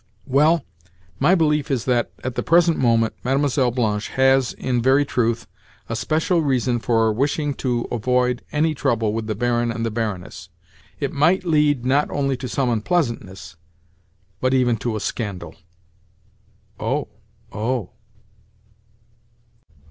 "Well, my belief is that at the present moment Mlle. Blanche has, in very truth, a special reason for wishing to avoid any trouble with the Baron and the Baroness. It might lead not only to some unpleasantness, but even to a scandal." "Oh, oh!"